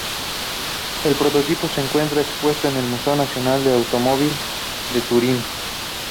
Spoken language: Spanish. El prototipo se encuentra expuesto en el Museo Nacional del Automóvil de Turín.